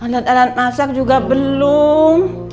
alat alat masak juga belum